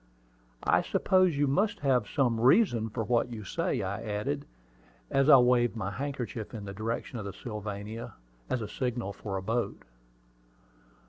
"I suppose you must have some reason for what you say," I added, as I waved my handkerchief in the direction of the Sylvania, as a signal for a boat.